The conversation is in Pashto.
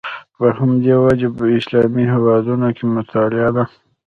په همدې وجه په اسلامي هېوادونو کې مطالعه ده.